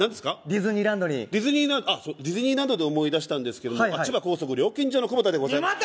ディズニーランドにディズニーランドで思い出したんですけど千葉高速料金所の久保田でございます